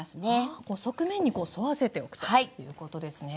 あこう側面に沿わせておくということですね。